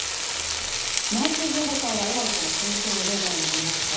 まず、今の戦況をどうご覧になりますか？